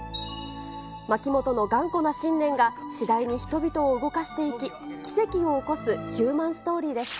牧本の頑固な信念が、次第に人々を動かしていき、奇跡を起こすヒューマンストーリーです。